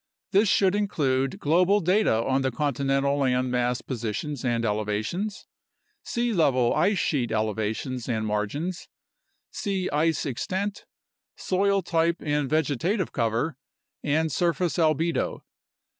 This should include global data on the continental land mass positions and elevations, sea level ice sheet elevations and margins, sea ice extent, soil type and vegeta tive cover, and surface albedo.